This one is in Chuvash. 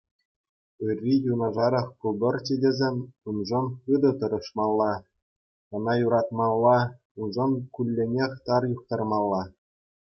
Ырри юнашарах пултӑрччӗ тесен уншӑн хытӑ тӑрӑшмалла, ӑна юратмалла, уншӑн кулленех тар юхтармалла.